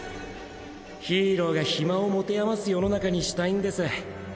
ヒーローが暇を持て余す世の中にしたいんです